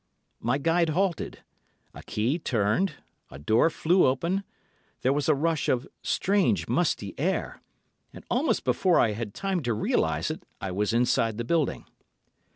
My guide halted—a key turned, a door flew open—there was a rush of strange, musty air, and almost before I had time to realise it, I was inside the building.